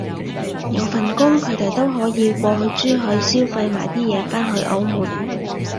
有份工，佢哋都可以過去珠海消費買啲嘢返去澳門